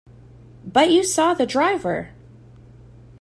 But you saw the driver!